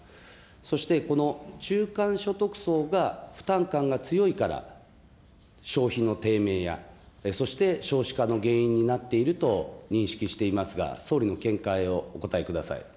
そして、この中間所得層が、負担感が強いから、消費の低迷や、そして、少子化の原因になっていると認識していますが、総理の見解をお答えください。